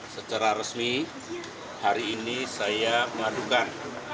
secara resmi hari ini saya mengadukan